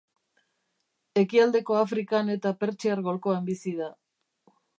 Ekialdeko Afrikan eta Pertsiar golkoan bizi da.